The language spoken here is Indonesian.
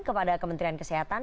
kepada kementerian kesehatan